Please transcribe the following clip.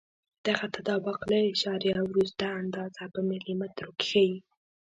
دغه تطابق له اعشاریه وروسته اندازه په ملي مترو کې ښیي.